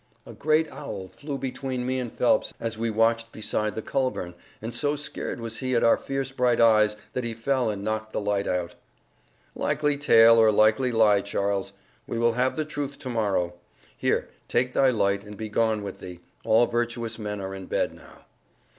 "A great owl flew between me and Phelps as we watched beside the culverin, and so scared was he at our fierce bright eyes that he fell and knocked the light out." "Likely tale, or likely lie, Charles! We will have the truth to morrow. Here, take thy light, and be gone with thee. All virtuous men are in bed now."